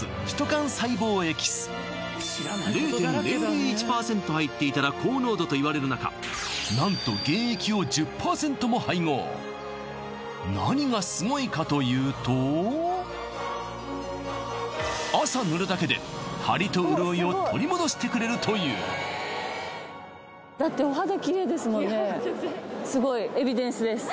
幹細胞エキス０．００１％入っていたら高濃度といわれるなか何と原液を１０％も配合何がすごいかというと朝塗るだけでハリと潤いを取り戻してくれるというだってお肌キレイですもんねいや全然すごいエビデンスです